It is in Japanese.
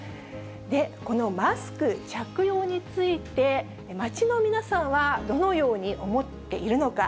このマスク着用について、街の皆さんは、どのように思っているのか。